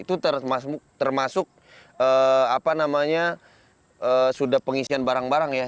itu termasuk apa namanya sudah pengisian barang barang ya